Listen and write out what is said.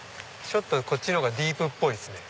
ちょっとこっちのほうがディープっぽいですね。